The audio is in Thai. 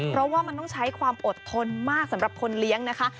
เพราะว่ามันต้องใช้ความอดทนมากสำหรับคนเลี้ยงนะคะ